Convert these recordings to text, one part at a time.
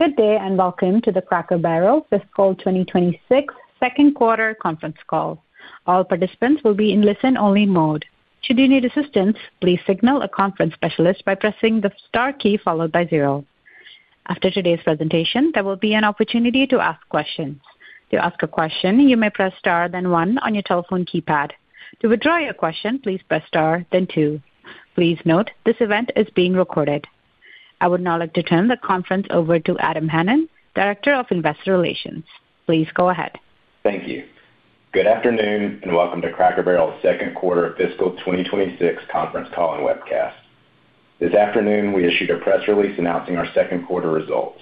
Good day, welcome to the Cracker Barrel fiscal 2026 second quarter conference call. All participants will be in listen-only mode. Should you need assistance, please signal a conference specialist by pressing the star key followed by zero. After today's presentation, there will be an opportunity to ask questions. To ask a question, you may press star then one on your telephone keypad. To withdraw your question, please press star then two. Please note this event is being recorded. I would now like to turn the conference over to Adam Hanan, Director of Investor Relations. Please go ahead. Thank you. Good afternoon, and welcome to Cracker Barrel's second quarter fiscal 2026 conference call and webcast. This afternoon, we issued a press release announcing our second quarter results.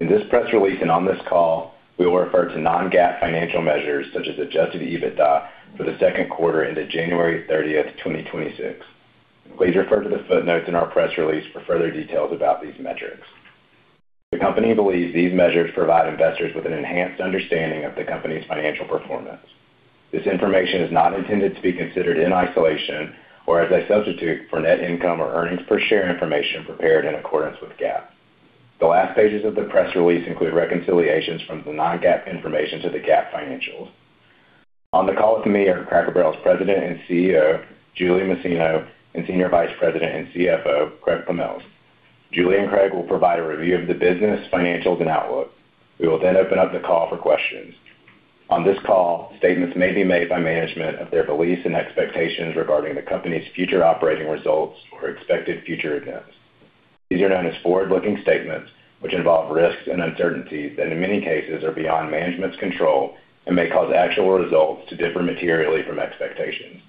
In this press release and on this call, we will refer to non-GAAP financial measures such as Adjusted EBITDA for the second quarter into January 30th, 2026. Please refer to the footnotes in our press release for further details about these metrics. The company believes these measures provide investors with an enhanced understanding of the company's financial performance. This information is not intended to be considered in isolation or as a substitute for net income or earnings per share information prepared in accordance with GAAP. The last pages of the press release include reconciliations from the non-GAAP information to the GAAP financials. On the call with me are Cracker Barrel's President and CEO, Julie Masino, and Senior Vice President and CFO, Craig Pommells. Julie and Craig will provide a review of the business, financials, and outlook. We will then open up the call for questions. On this call, statements may be made by management of their beliefs and expectations regarding the company's future operating results or expected future events. These are known as forward-looking statements, which involve risks and uncertainties that in many cases are beyond management's control and may cause actual results to differ materially from expectations.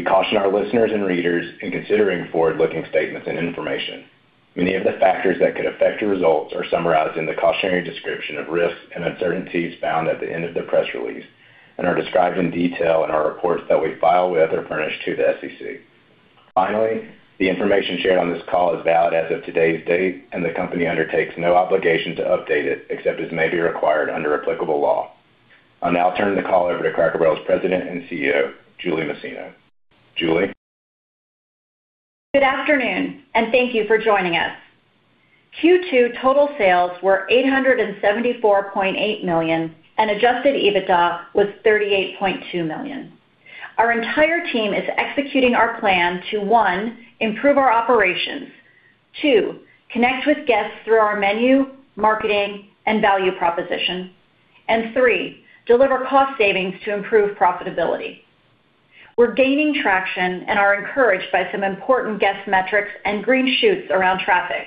We caution our listeners and readers in considering forward-looking statements and information. Many of the factors that could affect the results are summarized in the cautionary description of risks and uncertainties found at the end of the press release and are described in detail in our reports that we file with or furnish to the SEC. Finally, the information shared on this call is valid as of today's date. The company undertakes no obligation to update it except as may be required under applicable law. I'll now turn the call over to Cracker Barrel's President and CEO, Julie Masino. Julie. Good afternoon, and thank you for joining us. Q2 total sales were $874.8 million, and Adjusted EBITDA was $38.2 million. Our entire team is executing our plan to, one, improve our operations, two, connect with guests through our menu, marketing, and value proposition, and three, deliver cost savings to improve profitability. We're gaining traction and are encouraged by some important guest metrics and green shoots around traffic,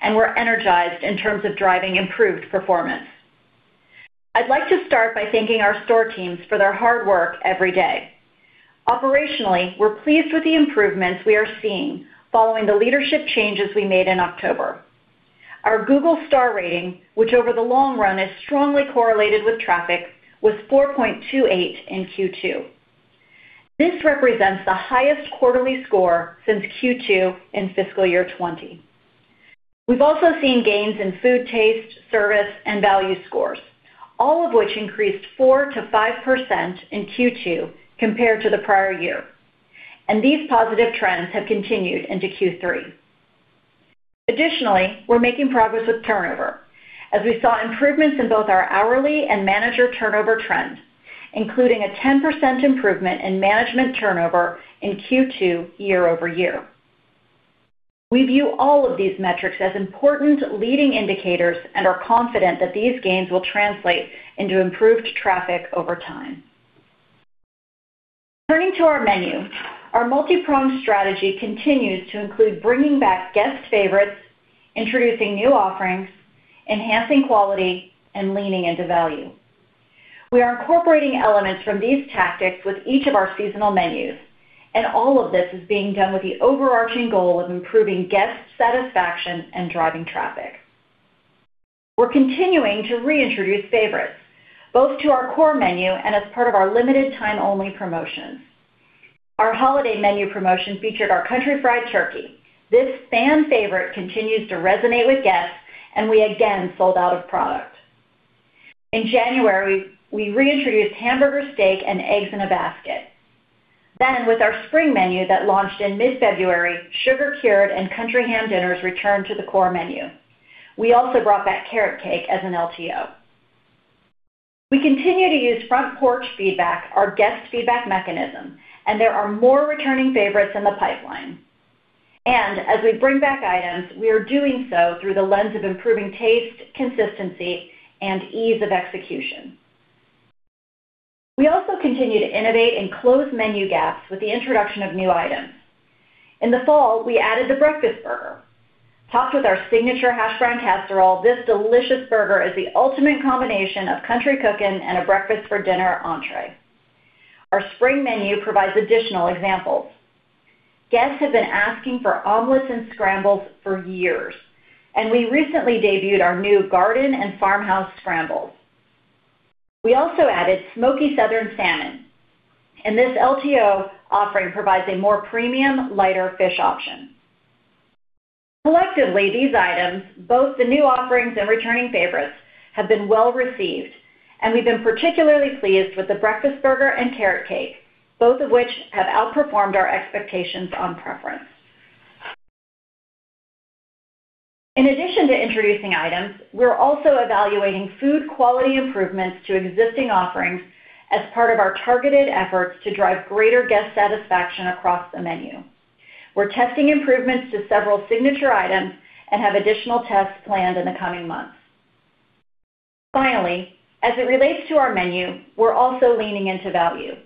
and we're energized in terms of driving improved performance. I'd like to start by thanking our store teams for their hard work every day. Operationally, we're pleased with the improvements we are seeing following the leadership changes we made in October. Our Google star rating, which over the long run is strongly correlated with traffic, was 4.28 in Q2. This represents the highest quarterly score since Q2 in fiscal year 2020. We've also seen gains in food taste, service, and value scores, all of which increased 4%-5% in Q2 compared to the prior year. These positive trends have continued into Q3. Additionally, we're making progress with turnover as we saw improvements in both our hourly and manager turnover trends, including a 10% improvement in management turnover in Q2 year-over-year. We view all of these metrics as important leading indicators and are confident that these gains will translate into improved traffic over time. Turning to our menu, our multi-pronged strategy continues to include bringing back guest favorites, introducing new offerings, enhancing quality, and leaning into value. We are incorporating elements from these tactics with each of our seasonal menus, and all of this is being done with the overarching goal of improving guest satisfaction and driving traffic. We're continuing to reintroduce favorites, both to our core menu and as part of our limited time-only promotions. Our holiday menu promotion featured our Country Fried Turkey. This fan favorite continues to resonate with guests, we again sold out of product. In January, we reintroduced Hamburger Steak and Eggs in The Basket. With our spring menu that launched in mid-February, Sugar Cured Ham and Country Ham dinners returned to the core menu. We also brought back Carrot Cake as an LTO. We continue to use Front Porch Feedback, our guest feedback mechanism, there are more returning favorites in the pipeline. As we bring back items, we are doing so through the lens of improving taste, consistency, and ease of execution. We also continue to innovate and close menu gaps with the introduction of new items. In the fall, we added The Breakfast Burger. Topped with our signature Hashbrown Casserole, this delicious burger is the ultimate combination of country cooking and a breakfast for dinner entrée. Our spring menu provides additional examples. Guests have been asking for omelets and scrambles for years. We recently debuted our new Garden Scrambles and Farmhouse Scrambles. We also added Smoky Southern Salmon. This LTO offering provides a more premium, lighter fish option. Collectively, these items, both the new offerings and returning favorites, have been well-received. We've been particularly pleased with The Breakfast Burger and Carrot Cake, both of which have outperformed our expectations on preference. In addition to introducing items, we're also evaluating food quality improvements to existing offerings as part of our targeted efforts to drive greater guest satisfaction across the menu. We're testing improvements to several signature items and have additional tests planned in the coming months. Finally, as it relates to our menu, we're also leaning into value.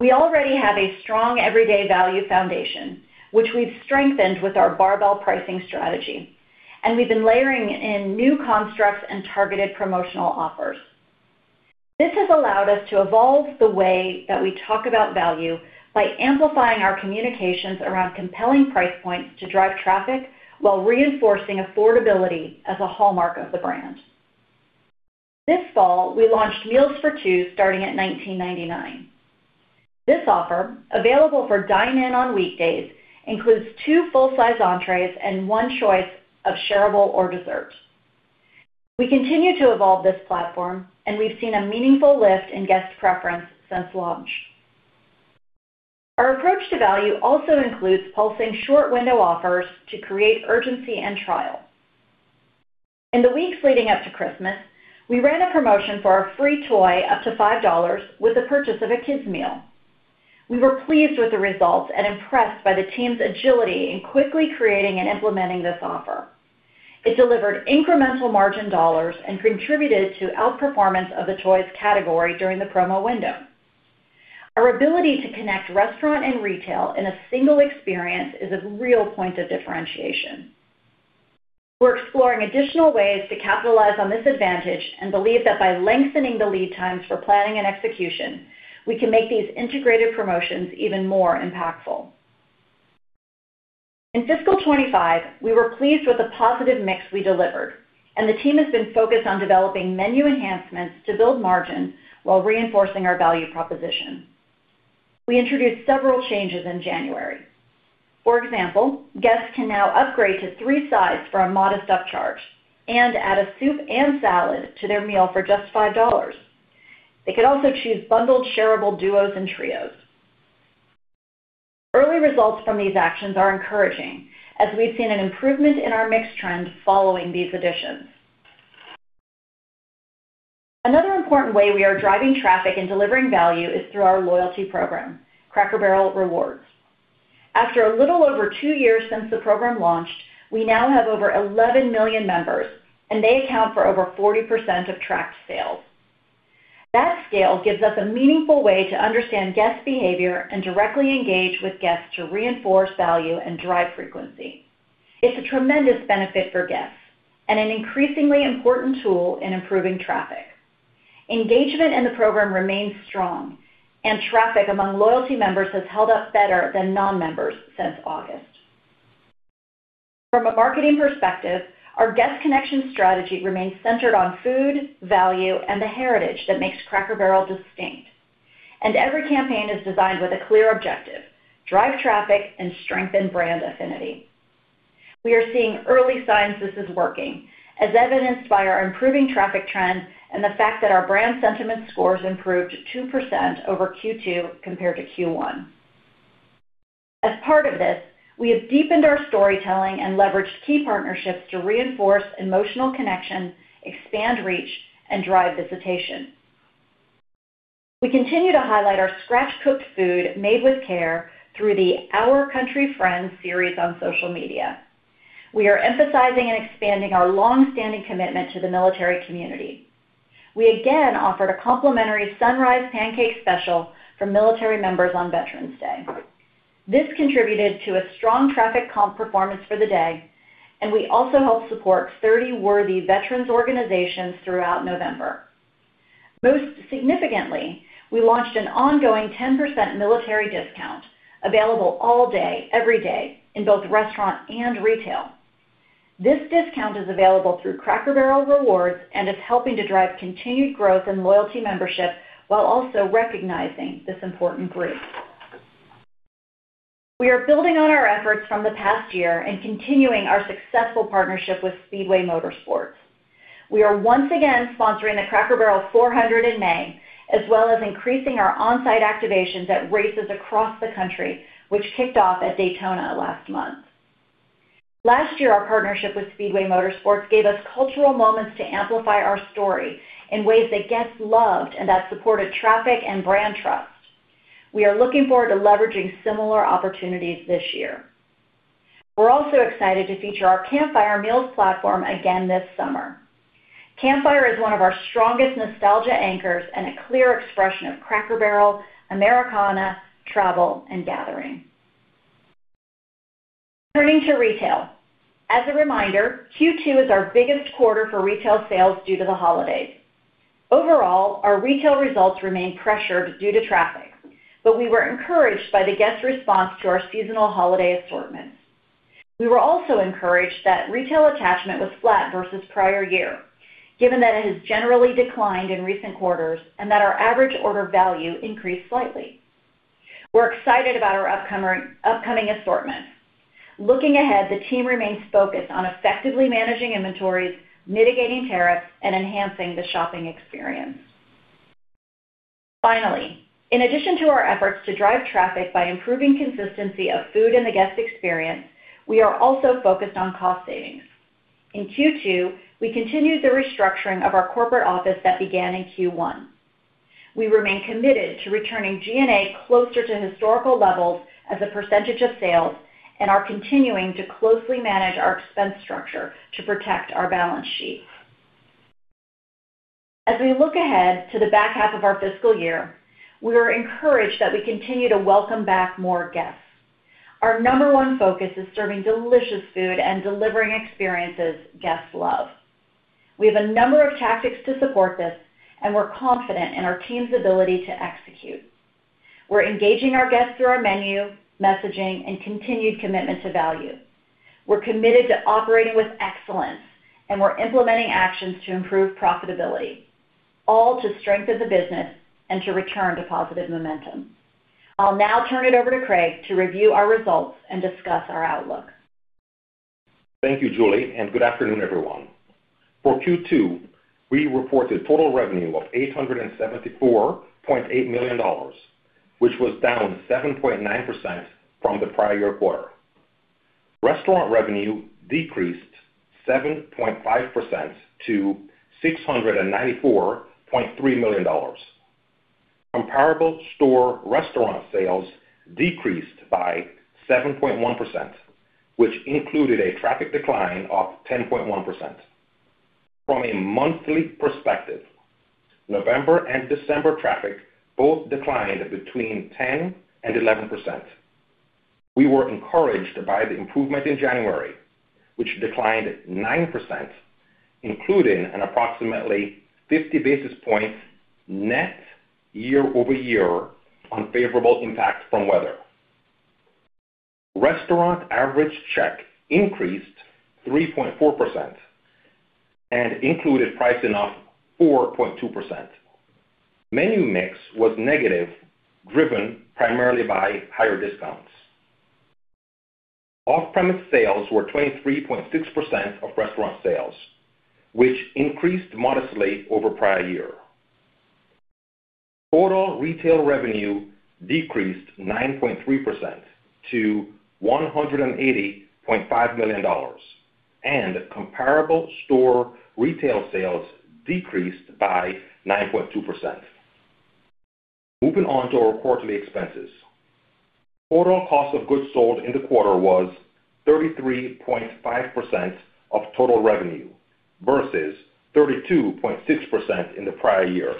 We already have a strong everyday value foundation, which we've strengthened with our barbell pricing strategy, and we've been layering in new constructs and targeted promotional offers. This has allowed us to evolve the way that we talk about value by amplifying our communications around compelling price points to drive traffic while reinforcing affordability as a hallmark of the brand. This fall, we launched Meals for Two starting at $19.99. This offer, available for dine-in on weekdays, includes two full-size entrées and one choice of shareable or dessert. We continue to evolve this platform, and we've seen a meaningful lift in guest preference since launch. Our approach to value also includes pulsing short-window offers to create urgency and trial. In the weeks leading up to Christmas, we ran a promotion for our free toy up to $5 with the purchase of a kids meal. We were pleased with the results and impressed by the team's agility in quickly creating and implementing this offer. It delivered incremental margin dollars and contributed to outperformance of the toys category during the promo window. Our ability to connect restaurant and retail in a single experience is a real point of differentiation. We're exploring additional ways to capitalize on this advantage and believe that by lengthening the lead times for planning and execution, we can make these integrated promotions even more impactful. In fiscal 2025, we were pleased with the positive mix we delivered, and the team has been focused on developing menu enhancements to build margin while reinforcing our value proposition. We introduced several changes in January. For example, guests can now upgrade to three sides for a modest upcharge and add a soup and salad to their meal for just $5. They could also choose bundled shareable duos and trios. Early results from these actions are encouraging as we've seen an improvement in our mix trend following these additions. Another important way we are driving traffic and delivering value is through our loyalty program, Cracker Barrel Rewards. After a little over two years since the program launched, we now have over 11 million members. They account for over 40% of tracked sales. That scale gives us a meaningful way to understand guest behavior and directly engage with guests to reinforce value and drive frequency. It's a tremendous benefit for guests and an increasingly important tool in improving traffic. Engagement in the program remains strong and traffic among loyalty members has held up better than non-members since August. From a marketing perspective, our guest connection strategy remains centered on food, value, and the heritage that makes Cracker Barrel distinct. Every campaign is designed with a clear objective: drive traffic and strengthen brand affinity. We are seeing early signs this is working, as evidenced by our improving traffic trends and the fact that our brand sentiment scores improved 2% over Q2 compared to Q1. As part of this, we have deepened our storytelling and leveraged key partnerships to reinforce emotional connection, expand reach, and drive visitation. We continue to highlight our scratch-cooked food made with care through the Our Country Friends series on social media. We are emphasizing and expanding our long-standing commitment to the military community. We again offered a complimentary Sunrise Pancake Special for military members on Veterans Day. This contributed to a strong traffic comp performance for the day. We also helped support 30 worthy veterans organizations throughout November. Most significantly, we launched an ongoing 10% military discount available all day, every day in both restaurant and retail. This discount is available through Cracker Barrel Rewards and is helping to drive continued growth in loyalty membership while also recognizing this important group. We are building on our efforts from the past year and continuing our successful partnership with Speedway Motorsports. We are once again sponsoring the Cracker Barrel 400 in May, as well as increasing our on-site activations at races across the country, which kicked off at Daytona last month. Last year, our partnership with Speedway Motorsports gave us cultural moments to amplify our story in ways that guests loved and that supported traffic and brand trust. We are looking forward to leveraging similar opportunities this year. We're also excited to feature our Campfire Meals platform again this summer. Campfire Meals is one of our strongest nostalgia anchors and a clear expression of Cracker Barrel, Americana, travel, and gathering. Turning to retail. As a reminder, Q2 is our biggest quarter for retail sales due to the holidays. Overall, our retail results remain pressured due to traffic, but we were encouraged by the guest response to our seasonal holiday assortment. We were also encouraged that retail attachment was flat versus prior year, given that it has generally declined in recent quarters and that our average order value increased slightly. We're excited about our upcoming assortment. Looking ahead, the team remains focused on effectively managing inventories, mitigating tariffs, and enhancing the shopping experience. Finally, in addition to our efforts to drive traffic by improving consistency of food and the guest experience, we are also focused on cost savings. In Q2, we continued the restructuring of our corporate office that began in Q1. We remain committed to returning G&A closer to historical levels as a percentage of sales and are continuing to closely manage our expense structure to protect our balance sheet. As we look ahead to the back half of our fiscal year, we are encouraged that we continue to welcome back more guests. Our number one focus is serving delicious food and delivering experiences guests love. We have a number of tactics to support this, and we're confident in our team's ability to execute. We're engaging our guests through our menu, messaging, and continued commitment to value. We're committed to operating with excellence, we're implementing actions to improve profitability, all to strengthen the business and to return to positive momentum. I'll now turn it over to Craig to review our results and discuss our outlook. Thank you, Julie. Good afternoon, everyone. For Q2, we reported total revenue of $874.8 million, which was down 7.9% from the prior year quarter. Restaurant revenue decreased 7.5% to $694.3 million. Comparable store restaurant sales decreased by 7.1%, which included a traffic decline of 10.1%. From a monthly perspective, November and December traffic both declined between 10% and 11%. We were encouraged by the improvement in January, which declined 9%, including an approximately 50 basis points net year-over-year unfavorable impact from weather. Restaurant average check increased 3.4% and included pricing of 4.2%. Menu mix was negative, driven primarily by higher discounts. Off-premise sales were 23.6% of restaurant sales, which increased modestly over prior year. Total retail revenue decreased 9.3% to $180.5 million, and comparable store retail sales decreased by 9.2%. Moving on to our quarterly expenses. Total cost of goods sold in the quarter was 33.5% of total revenue versus 32.6% in the prior year.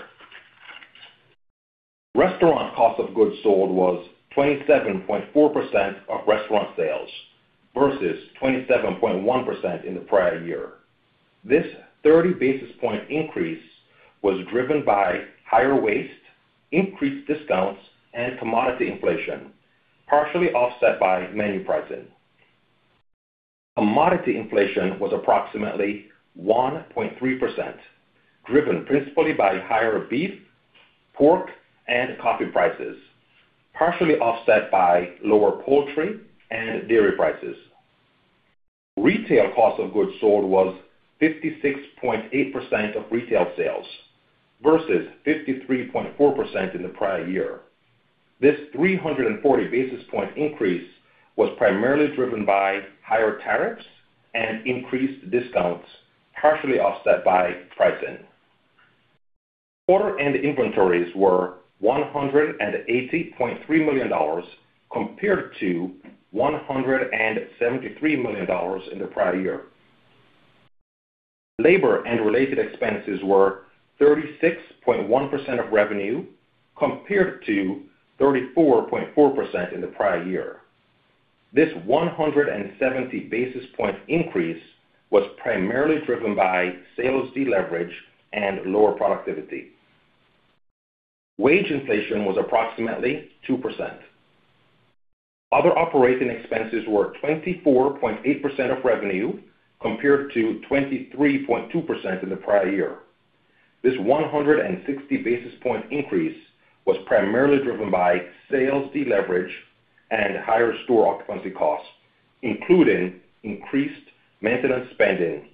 Restaurant cost of goods sold was 27.4% of restaurant sales versus 27.1% in the prior year. This 30 basis point increase was driven by higher waste, increased discounts, and commodity inflation, partially offset by menu pricing. Commodity inflation was approximately 1.3%, driven principally by higher beef, pork, and coffee prices, partially offset by lower poultry and dairy prices. Retail cost of goods sold was 56.8% of retail sales versus 53.4% in the prior year. This 340 basis point increase was primarily driven by higher tariffs and increased discounts, partially offset by pricing. Quarter-end inventories were $180.3 million compared to $173 million in the prior year. Labor and related expenses were 36.1% of revenue compared to 34.4% in the prior year. This 170 basis point increase was primarily driven by sales deleverage and lower productivity. Wage inflation was approximately 2%. Other operating expenses were 24.8% of revenue compared to 23.2% in the prior year. This 160 basis point increase was primarily driven by sales deleverage and higher store occupancy costs, including increased maintenance spending,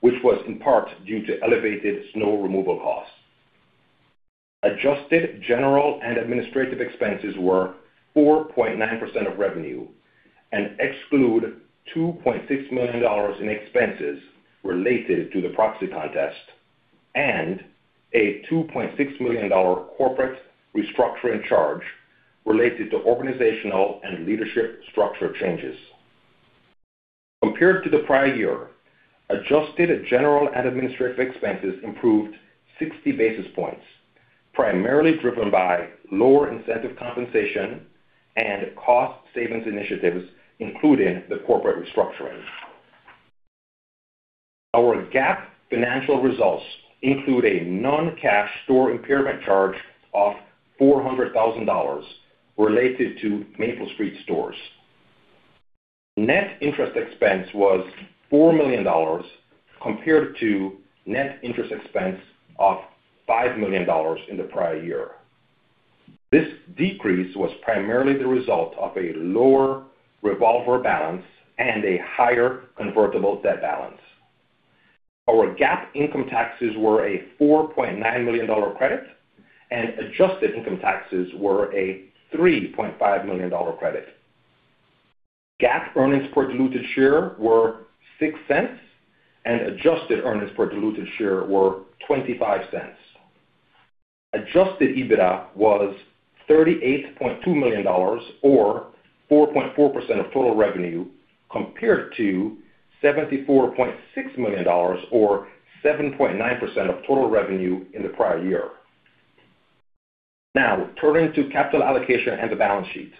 which was in part due to elevated snow removal costs. Adjusted general and administrative expenses were 4.9% of revenue and exclude $2.6 million in expenses related to the proxy contest and a $2.6 million corporate restructuring charge related to organizational and leadership structure changes. Compared to the prior year, adjusted general and administrative expenses improved 60 basis points, primarily driven by lower incentive compensation and cost savings initiatives, including the corporate restructuring. Our GAAP financial results include a non-cash store impairment charge of $400,000 related to Maple Street stores. Net interest expense was $4 million compared to net interest expense of $5 million in the prior year. This decrease was primarily the result of a lower revolver balance and a higher convertible debt balance. Our GAAP income taxes were a $4.9 million credit, and adjusted income taxes were a $3.5 million credit. GAAP earnings per diluted share were $0.06, and adjusted earnings per diluted share were $0.25. Adjusted EBITDA was $38.2 million, or 4.4% of total revenue, compared to $74.6 million, or 7.9% of total revenue in the prior year. Turning to capital allocation and the balance sheet.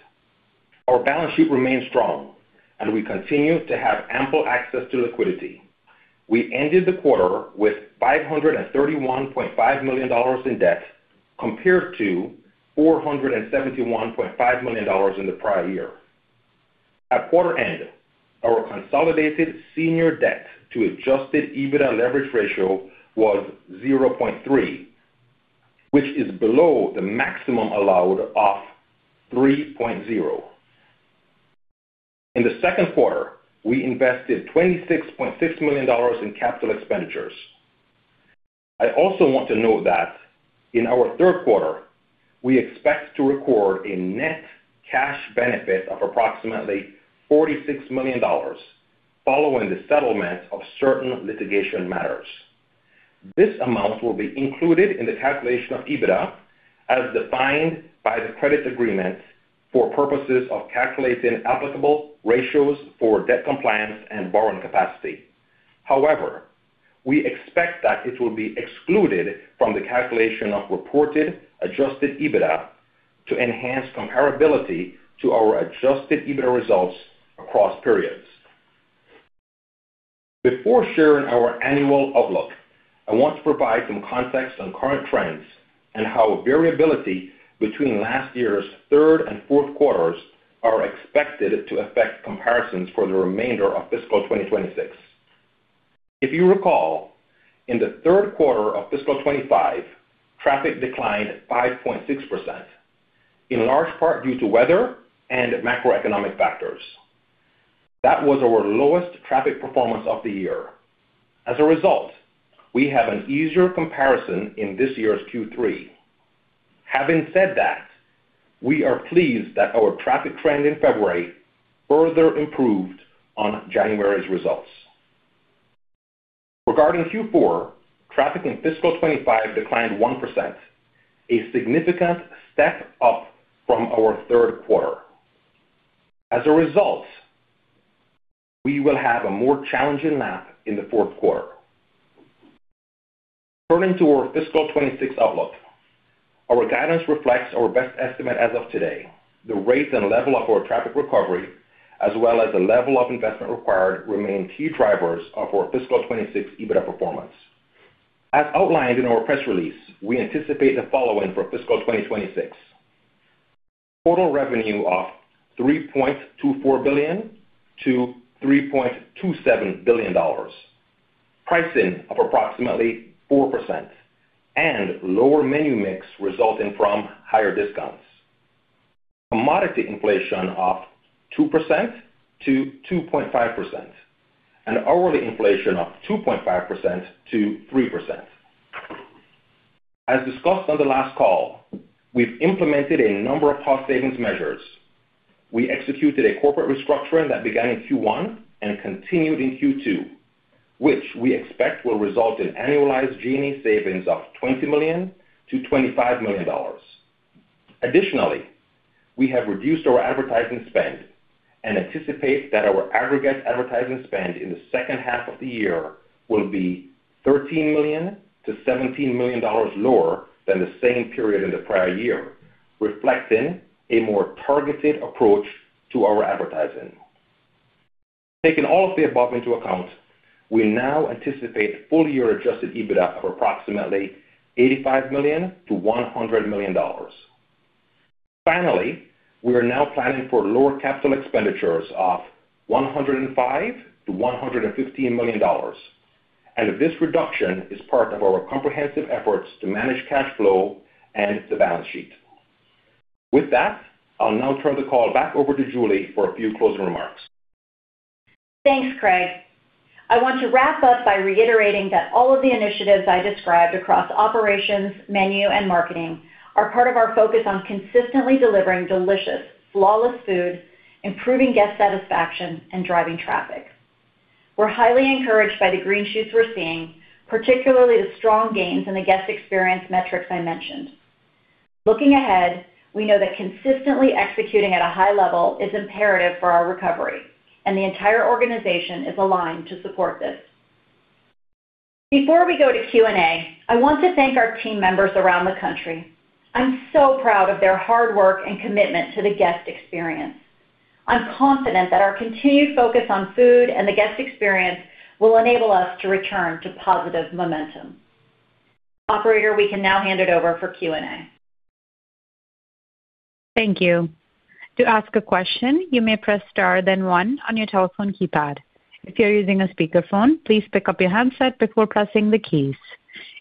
Our balance sheet remains strong and we continue to have ample access to liquidity. We ended the quarter with $531.5 million in debt, compared to $471.5 million in the prior year. At quarter end, our consolidated senior debt to Adjusted EBITDA leverage ratio was 0.3, which is below the maximum allowed of 3.0. In the second quarter, we invested $26.6 million in capital expenditures. I also want to note that in our third quarter, we expect to record a net cash benefit of approximately $46 million following the settlement of certain litigation matters. This amount will be included in the calculation of EBITDA, as defined by the credit agreement for purposes of calculating applicable ratios for debt compliance and borrowing capacity. However, we expect that it will be excluded from the calculation of reported Adjusted EBITDA to enhance comparability to our Adjusted EBITDA results across periods. Before sharing our annual outlook, I want to provide some context on current trends and how variability between last year's third and fourth quarters are expected to affect comparisons for the remainder of fiscal 2026. If you recall, in the third quarter of fiscal 2025, traffic declined 5.6%, in large part due to weather and macroeconomic factors. That was our lowest traffic performance of the year. As a result, we have an easier comparison in this year's Q3. Having said that, we are pleased that our traffic trend in February further improved on January's results. Regarding Q4, traffic in fiscal 2025 declined 1%, a significant step up from our third quarter. As a result, we will have a more challenging map in the fourth quarter. Turning to our fiscal 2026 outlook. Our guidance reflects our best estimate as of today. The rate and level of our traffic recovery, as well as the level of investment required, remain key drivers of our fiscal 2026 EBITDA performance. As outlined in our press release, we anticipate the following for fiscal 2026. Total revenue of $3.24 billion-$3.27 billion, pricing of approximately 4% and lower menu mix resulting from higher discounts, commodity inflation of 2%-2.5% and hourly inflation of 2.5%-3%. As discussed on the last call, we've implemented a number of cost savings measures. We executed a corporate restructuring that began in Q1 and continued in Q2, which we expect will result in annualized G&A savings of $20 million-$25 million. Additionally, we have reduced our advertising spend and anticipate that our aggregate advertising spend in the second half of the year will be $13 million-$17 million lower than the same period in the prior year, reflecting a more targeted approach to our advertising. Taking all of the above into account, we now anticipate full year Adjusted EBITDA of approximately $85 million-$100 million. Finally, we are now planning for lower capital expenditures of $105 million-$115 million, this reduction is part of our comprehensive efforts to manage cash flow and the balance sheet. With that, I'll now turn the call back over to Julie for a few closing remarks. Thanks, Craig. I want to wrap up by reiterating that all of the initiatives I described across operations, menu, and marketing are part of our focus on consistently delivering delicious, flawless food, improving guest satisfaction, and driving traffic. We're highly encouraged by the green shoots we're seeing, particularly the strong gains in the guest experience metrics I mentioned. Looking ahead, we know that consistently executing at a high level is imperative for our recovery and the entire organization is aligned to support this. Before we go to Q&A, I want to thank our team members around the country. I'm so proud of their hard work and commitment to the guest experience. I'm confident that our continued focus on food and the guest experience will enable us to return to positive momentum. Operator, we can now hand it over for Q&A. Thank you. To ask a question, you may press star then one on your telephone keypad. If you're using a speakerphone, please pick up your handset before pressing the keys.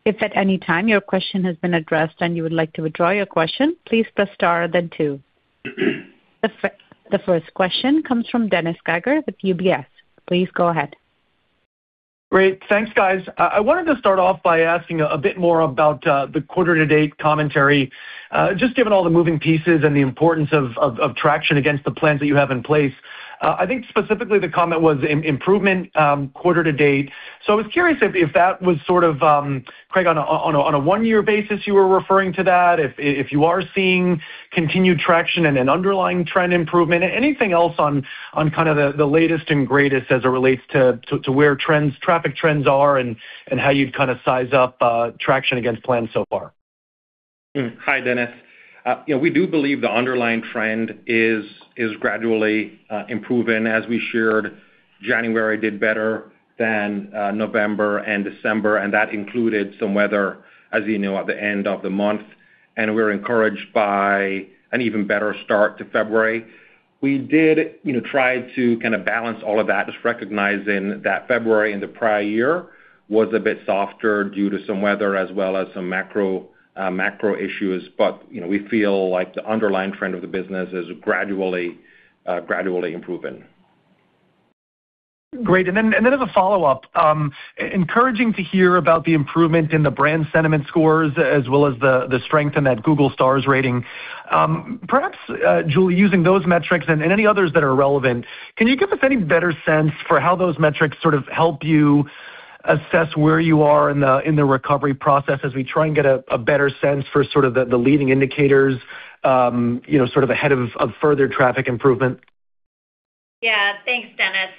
If at any time your question has been addressed and you would like to withdraw your question, please press star then two. The first question comes from Dennis Geiger with UBS. Please go ahead. Great. Thanks, guys. I wanted to start off by asking a bit more about the quarter to date commentary. Just given all the moving pieces and the importance of traction against the plans that you have in place. I think specifically the comment was improvement quarter to date. I was curious if that was sort of Craig, on a one-year basis you were referring to that, if you are seeing continued traction and an underlying trend improvement. Anything else on kind of the latest and greatest as it relates to where trends, traffic trends are and how you'd kinda size up traction against plans so far? Hi, Dennis. Yeah, we do believe the underlying trend is gradually improving. As we shared, January did better than November and December, and that included some weather, as you know, at the end of the month. We're encouraged by an even better start to February. We did, you know, try to kinda balance all of that, just recognizing that February in the prior year was a bit softer due to some weather as well as some macro issues. You know, we feel like the underlying trend of the business is gradually improving. Great. Then, as a follow-up, encouraging to hear about the improvement in the brand sentiment scores as well as the strength in that Google stars rating. Perhaps, Julie, using those metrics and any others that are relevant, can you give us any better sense for how those metrics sort of help you assess where you are in the recovery process as we try and get a better sense for sort of the leading indicators, you know, sort of ahead of further traffic improvement? Thanks, Dennis.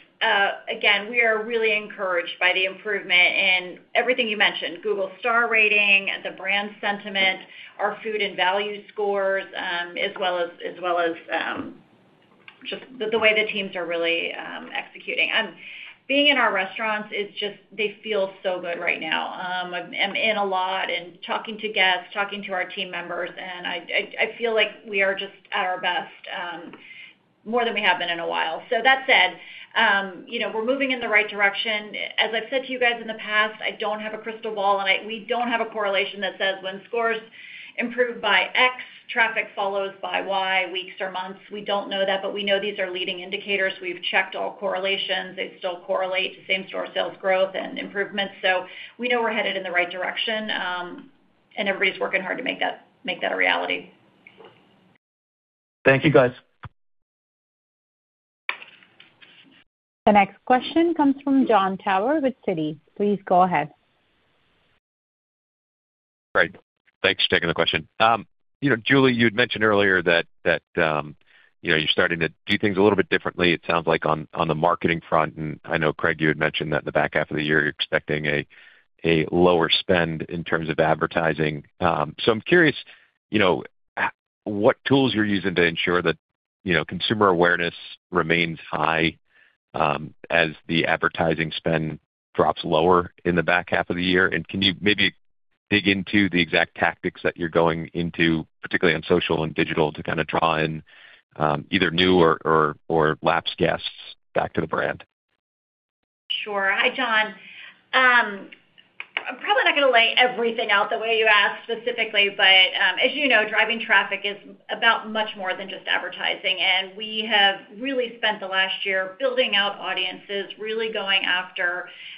Again, we are really encouraged by the improvement in everything you mentioned, Google star rating, the brand sentiment, our food and value scores, as well as just the way the teams are really executing. Being in our restaurants is just they feel so good right now. I'm in a lot and talking to guests, talking to our team members, and I feel like we are just at our best, more than we have been in a while. That said, you know, we're moving in the right direction. As I've said to you guys in the past, I don't have a crystal ball, and we don't have a correlation that says when scores improve by X, traffic follows by Y, weeks or months. We don't know that. We know these are leading indicators. We've checked all correlations. They still correlate to same-store sales growth and improvements. We know we're headed in the right direction, and everybody's working hard to make that a reality. Thank you, guys. The next question comes from Jon Tower with Citi. Please go ahead. Great. Thanks for taking the question. You know, Julie, you had mentioned earlier that, you know, you're starting to do things a little bit differently, it sounds like on the marketing front. I know, Craig, you had mentioned that in the back half of the year, you're expecting a lower spend in terms of advertising. So I'm curious, you know, what tools you're using to ensure that, you know, consumer awareness remains high, as the advertising spend drops lower in the back half of the year. Can you maybe dig into the exact tactics that you're going into, particularly on social and digital, to kinda draw in, either new or lapsed guests back to the brand? Sure. Hi, Jon. I'm probably not gonna lay everything out the way you asked specifically, but, as you know, driving traffic is about much more than just advertising. We have really spent the last year building out audiences, really going after the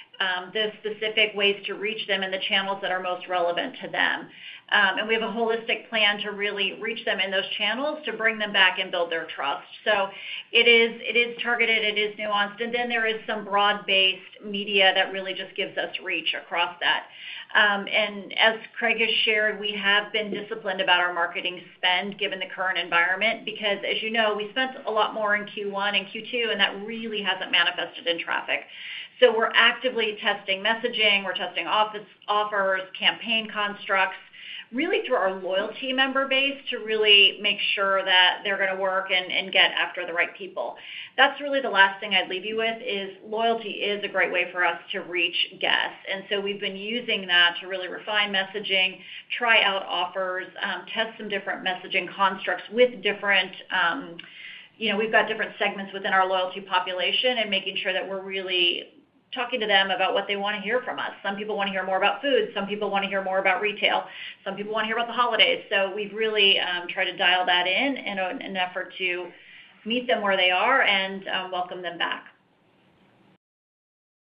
specific ways to reach them and the channels that are most relevant to them. We have a holistic plan to really reach them in those channels to bring them back and build their trust. It is targeted, it is nuanced, and then there is some broad-based media that really just gives us reach across that. As Craig has shared, we have been disciplined about our marketing spend given the current environment because, as you know, we spent a lot more in Q1 and Q2, and that really hasn't manifested in traffic. We're actively testing messaging, we're testing offers, campaign constructs, really through our loyalty member base to really make sure that they're gonna work and get after the right people. That's really the last thing I'd leave you with is loyalty is a great way for us to reach guests. We've been using that to really refine messaging, try out offers, test some different messaging constructs with different, you know, we've got different segments within our loyalty population and making sure that we're really talking to them about what they wanna hear from us. Some people wanna hear more about food, some people wanna hear more about retail, some people wanna hear about the holidays. We've really tried to dial that in an effort to meet them where they are and welcome them back.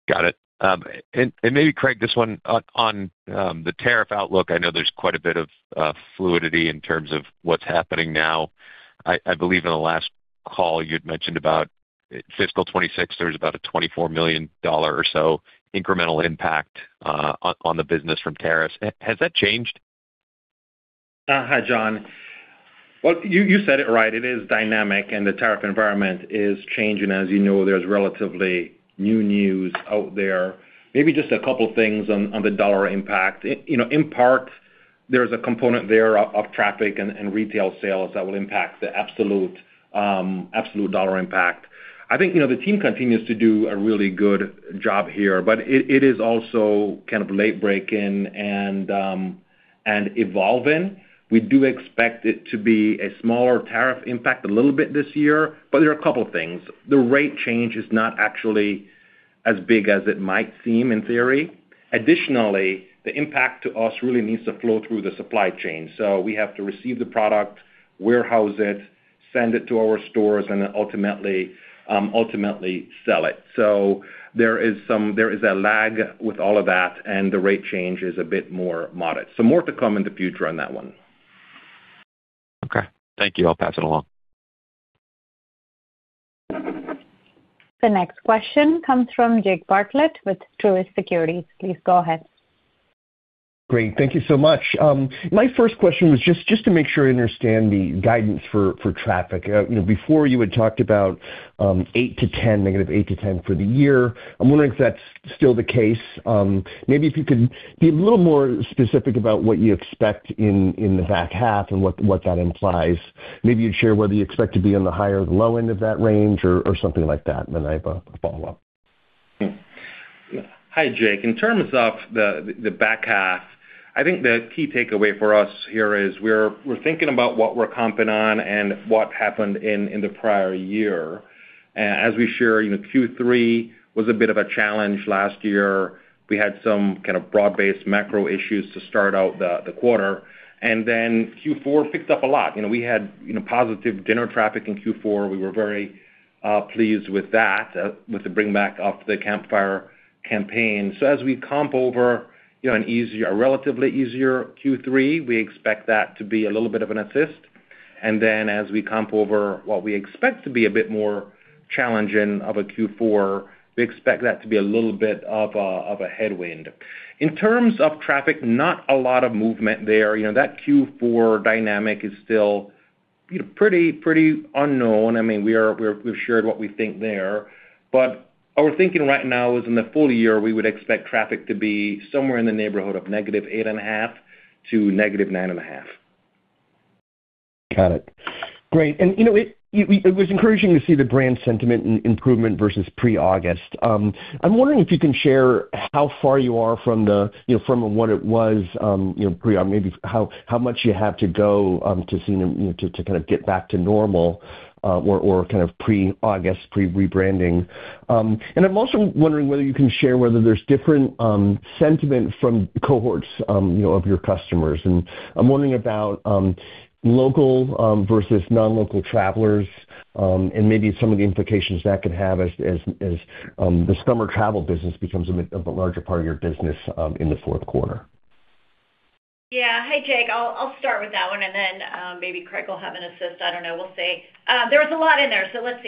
Got it. Maybe Craig, this one on the tariff outlook. I know there's quite a bit of fluidity in terms of what's happening now. I believe in the last call you'd mentioned about fiscal 2026, there was about a $24 million or so incremental impact on the business from tariffs. Has that changed? Hi, Jon. Well, you said it right. It is dynamic. The tariff environment is changing. As you know, there's relatively new news out there. Maybe just a couple things on the dollar impact. You know, in part there's a component there of traffic and retail sales that will impact the absolute dollar impact. I think, you know, the team continues to do a really good job here. It is also kind of late breaking and evolving. We do expect it to be a smaller tariff impact a little bit this year. There are a couple things. The rate change is not actually as big as it might seem in theory. Additionally, the impact to us really needs to flow through the supply chain. We have to receive the product, warehouse it, send it to our stores and then ultimately sell it. There is a lag with all of that, and the rate change is a bit more modest. More to come in the future on that one. Okay. Thank you. I'll pass it along. The next question comes from Jake Bartlett with Truist Securities. Please go ahead. Great. Thank you so much. My first question was just to make sure I understand the guidance for traffic. You know, before you had talked about 8%-10%, -8% to -10% for the year. I'm wondering if that's still the case. Maybe if you could be a little more specific about what you expect in the back half and what that implies. Maybe you'd share whether you expect to be on the higher or low end of that range or something like that. Then I have a follow-up. Hi, Jake. In terms of the back half, I think the key takeaway for us here is we're thinking about what we're comping on and what happened in the prior year. As we share, you know, Q3 was a bit of a challenge last year. We had some kind of broad-based macro issues to start out the quarter. Q4 picked up a lot. You know, we had, you know, positive dinner traffic in Q4. We were very pleased with that with the bring back of the Campfire Meals campaign. As we comp over, you know, an easier, a relatively easier Q3, we expect that to be a little bit of an assist. As we comp over what we expect to be a bit more challenging of a Q4, we expect that to be a little bit of a headwind. In terms of traffic, not a lot of movement there. You know, that Q4 dynamic is still, you know, pretty unknown. I mean, we are, we've shared what we think there, but our thinking right now is in the full year, we would expect traffic to be somewhere in the neighborhood of -8.5% to -9.5%. Got it. Great. You know, it was encouraging to see the brand sentiment improvement versus pre-August. I'm wondering if you can share how far you are from the, you know, from what it was, you know, pre or maybe how much you have to go, to see the, you know, to kind of get back to normal, or kind of pre-August, pre-rebranding. I'm also wondering whether you can share whether there's different, sentiment from cohorts, you know, of your customers. I'm wondering about, local, versus non-local travelers, and maybe some of the implications that could have as the summer travel business becomes a larger part of your business, in the fourth quarter. Yeah. Hey, Jake. I'll start with that one. Maybe Craig will have an assist. I don't know. We'll see. There was a lot in there. Let's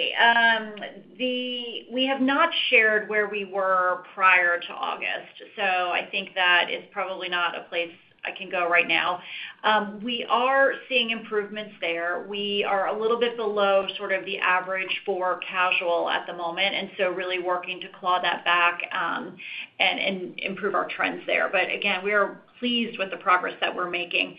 see. We have not shared where we were prior to August. I think that is probably not a place I can go right now. We are seeing improvements there. We are a little bit below sort of the average for casual at the moment, really working to claw that back and improve our trends there. Again, we are pleased with the progress that we're making.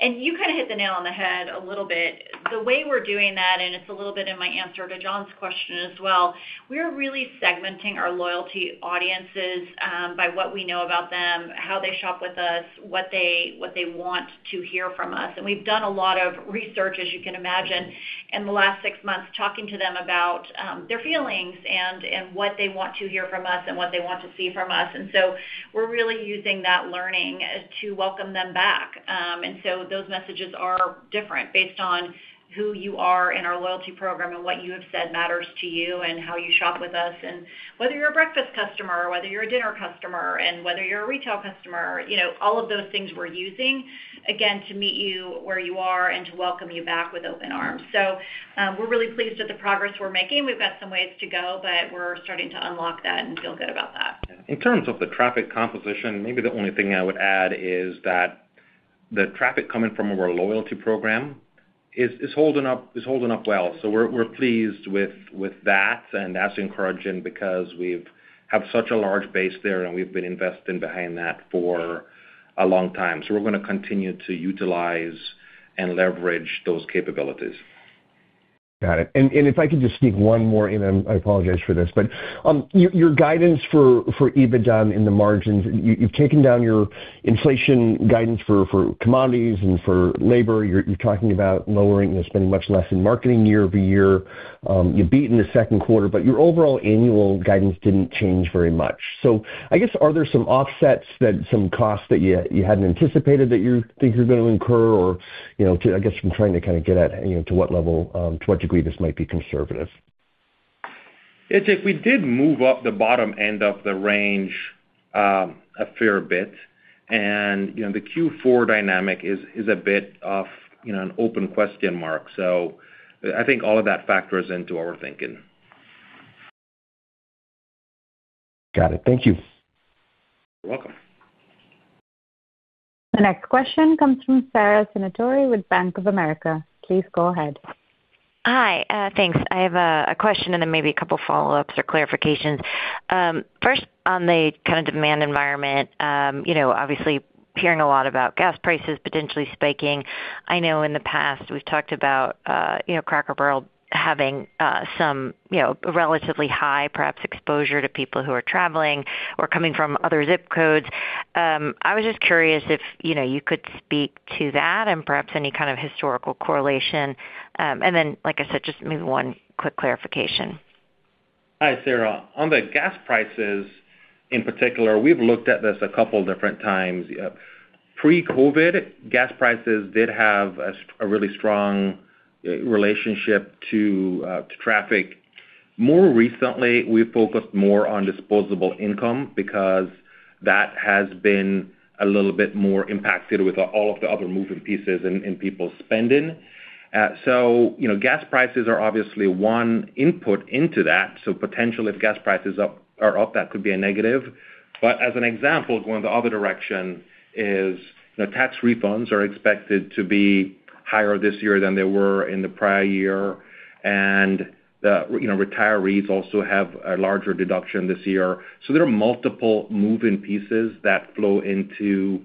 You kind of hit the nail on the head a little bit. The way we're doing that, it's a little bit in my answer to Jon's question as well, we're really segmenting our loyalty audiences by what we know about them, how they shop with us, what they want to hear from us. We've done a lot of research, as you can imagine, in the last six months, talking to them about their feelings and what they want to hear from us and what they want to see from us. We're really using that learning to welcome them back. Those messages are different based on who you are in our loyalty program and what you have said matters to you and how you shop with us and whether you're a breakfast customer or whether you're a dinner customer and whether you're a retail customer. You know, all of those things we're using, again, to meet you where you are and to welcome you back with open arms. We're really pleased with the progress we're making. We've got some ways to go, but we're starting to unlock that and feel good about that. In terms of the traffic composition, maybe the only thing I would add is that the traffic coming from our loyalty program is holding up well. We're pleased with that, and that's encouraging because we've have such a large base there. We've been investing behind that for a long time. We're gonna continue to utilize and leverage those capabilities. Got it. If I could just sneak one more in, and I apologize for this, but your guidance for EBITDA and the margins, you've taken down your inflation guidance for commodities and for labor. You're talking about lowering and spending much less in marketing year-over-year. You beat in the second quarter, but your overall annual guidance didn't change very much. I guess, are there some offsets that some costs that you hadn't anticipated that you think you're gonna incur or, you know, I guess, I'm trying to kind of get at, you know, to what level, to what degree this might be conservative? It's if we did move up the bottom end of the range, a fair bit and, you know, the Q4 dynamic is a bit of, you know, an open question mark. I think all of that factors into our thinking. Got it. Thank you. You're welcome. The next question comes from Sara Senatore with Bank of America. Please go ahead. Hi. Thanks. I have a question and then maybe a couple follow-ups or clarifications. First on the kind of demand environment, you know, obviously hearing a lot about gas prices potentially spiking. I know in the past we've talked about, you know, Cracker Barrel having, some, you know, relatively high perhaps exposure to people who are traveling or coming from other zip codes. I was just curious if, you know, you could speak to that and perhaps any kind of historical correlation. Like I said, just maybe one quick clarification. Hi, Sara. On the gas prices in particular, we've looked at this a couple different times. Pre-COVID, gas prices did have a really strong relationship to traffic. More recently, we focused more on disposable income because that has been a little bit more impacted with all of the other moving pieces in people's spending. You know, gas prices are obviously one input into that. Potentially if gas prices are up, that could be a negative. As an example, going the other direction is, the tax refunds are expected to be higher this year than they were in the prior year. The, you know, retirees also have a larger deduction this year. There are multiple moving pieces that flow into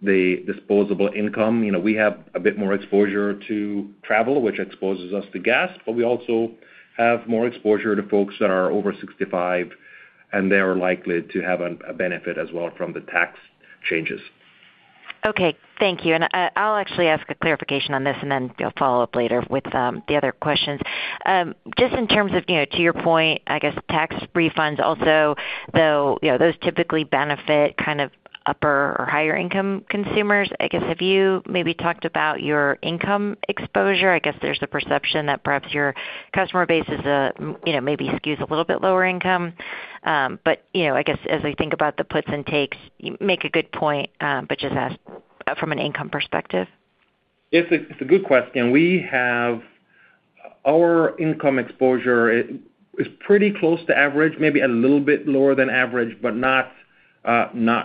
the disposable income. You know, we have a bit more exposure to travel, which exposes us to gas, but we also have more exposure to folks that are over 65 and they are likely to have a benefit as well from the tax changes. Okay, thank you. I'll actually ask a clarification on this and then follow up later with the other questions. Just in terms of, you know, to your point, I guess tax refunds also, though, you know, those typically benefit kind of upper or higher income consumers. I guess have you maybe talked about your income exposure? I guess there's the perception that perhaps your customer base is, you know, maybe skews a little bit lower income. You know, I guess as I think about the puts and takes, you make a good point, but just ask from an income perspective. It's a good question. We have our income exposure is pretty close to average, maybe a little bit lower than average, but not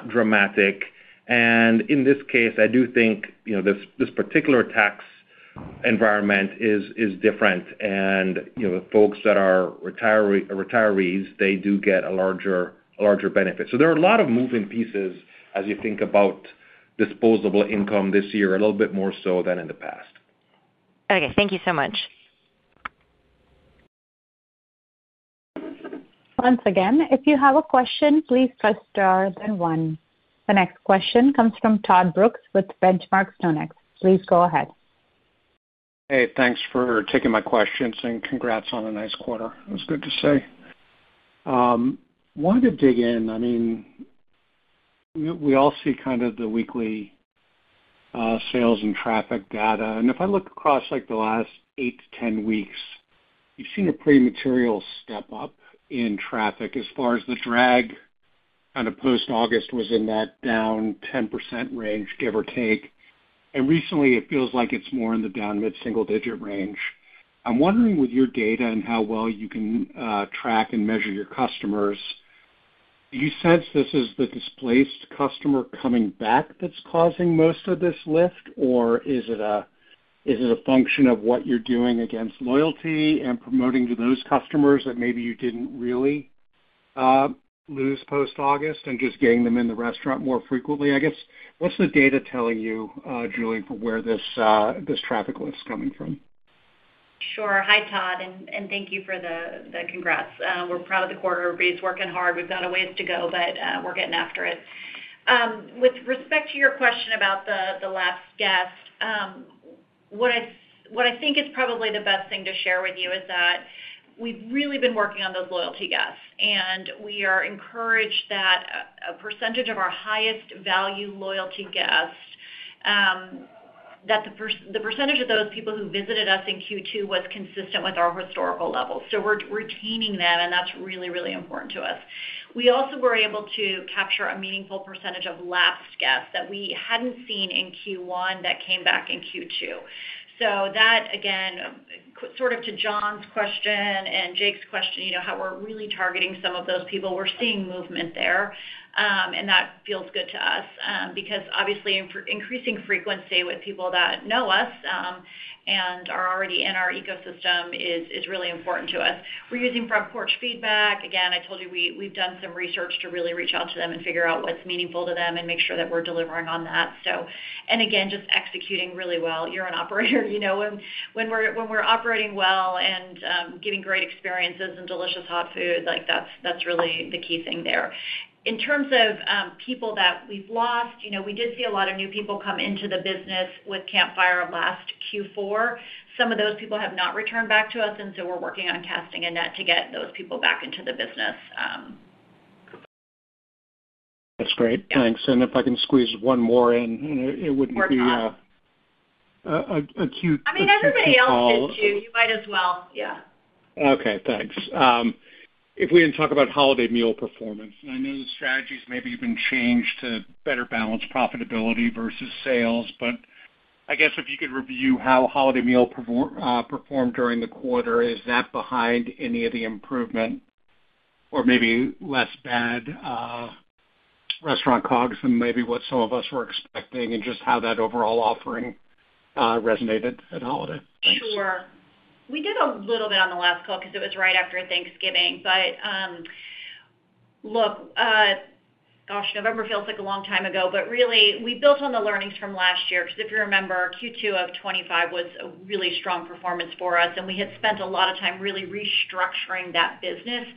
dramatic. In this case, I do think, you know, this particular tax environment is different. You know, folks that are retirees, they do get a larger benefit. There are a lot of moving pieces as you think about disposable income this year, a little bit more so than in the past. Okay, thank you so much. Once again, if you have a question, please press star then one. The next question comes from Todd Brooks with Benchmark StoneX. Please go ahead. Thanks for taking my questions and congrats on a nice quarter. It's good to see. Wanted to dig in. I mean, we all see kind of the weekly sales and traffic data. If I look across like the last eight to 10 weeks, we've seen a pretty material step up in traffic as far as the drag kind of post August was in that down 10% range give or take. Recently it feels like it's more in the down mid-single digit range. I'm wondering with your data and how well you can track and measure your customers, do you sense this is the displaced customer coming back that's causing most of this lift? Is it a function of what you're doing against loyalty and promoting to those customers that maybe you didn't really lose post August and just getting them in the restaurant more frequently, I guess? What's the data telling you, Julie, for where this traffic lift's coming from? Sure. Hi, Todd, thank you for the congrats. We're proud of the quarter. Everybody's working hard. We've got a ways to go, but we're getting after it. With respect to your question about the lapsed guest, what I think is probably the best thing to share with you is that we've really been working on those loyalty guests, and we are encouraged that a percentage of our highest value loyalty guests, that the percentage of those people who visited us in Q2 was consistent with our historical levels. We're retaining them and that's really, really important to us. We also were able to capture a meaningful percentage of lapsed guests that we hadn't seen in Q1 that came back in Q2. That, again, sort of to Jon's question and Jake's question, you know, how we're really targeting some of those people. We're seeing movement there, and that feels good to us, because obviously increasing frequency with people that know us, and are already in our ecosystem is really important to us. We're using Front Porch Feedback. Again, I told you we've done some research to really reach out to them and figure out what's meaningful to them and make sure that we're delivering on that. Again, just executing really well. You're an operator you know when we're operating well and giving great experiences and delicious hot food like that's really the key thing there. In terms of, people that we've lost, you know, we did see a lot of new people come into the business with Campfire Meals last Q4. Some of those people have not returned back to us. We're working on casting a net to get those people back into the business. That's great. Thanks. If I can squeeze one more in, it wouldn't be... Sure, Todd. A-a cute- I mean, everybody else did too. You might as well. Yeah. Okay, thanks. If we can talk about holiday meal performance, I know the strategies maybe even changed to better balance profitability versus sales. I guess if you could review how holiday meal performed during the quarter, is that behind any of the improvement or maybe less bad, restaurant cogs than maybe what some of us were expecting and just how that overall offering resonated at holiday? Sure. We did a little bit on the last call 'cause it was right after Thanksgiving. Look, gosh, November feels like a long time ago, but really we built on the learnings from last year 'cause if you remember Q2 of 2025 was a really strong performance for us, and we had spent a lot of time really restructuring that business,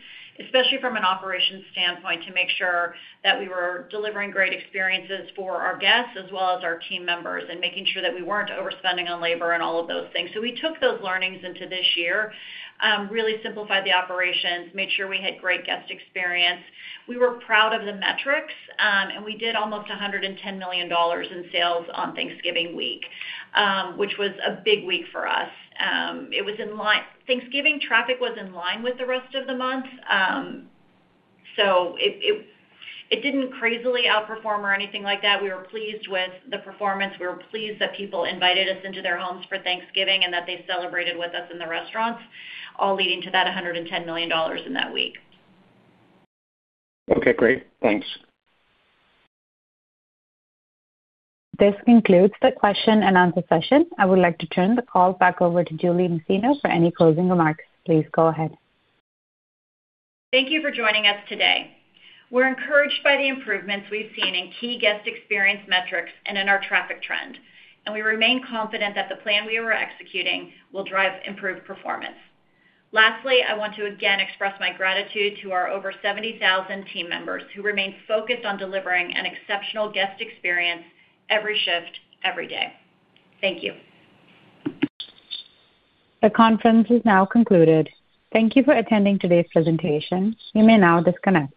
especially from an operations standpoint, to make sure that we were delivering great experiences for our guests as well as our team members and making sure that we weren't overspending on labor and all of those things. We took those learnings into this year, really simplified the operations, made sure we had great guest experience. We were proud of the metrics. We did almost $110 million in sales on Thanksgiving week, which was a big week for us. Thanksgiving traffic was in line with the rest of the month. It didn't crazily outperform or anything like that. We were pleased with the performance. We were pleased that people invited us into their homes for Thanksgiving and that they celebrated with us in the restaurants, all leading to that $110 million in that week. Okay, great. Thanks. This concludes the question and answer session. I would like to turn the call back over to Julie Masino for any closing remarks. Please go ahead. Thank you for joining us today. We're encouraged by the improvements we've seen in key guest experience metrics and in our traffic trend. We remain confident that the plan we are executing will drive improved performance. Lastly, I want to again express my gratitude to our over 70,000 team members who remain focused on delivering an exceptional guest experience every shift, every day. Thank you. The conference is now concluded. Thank you for attending today's presentation. You may now disconnect.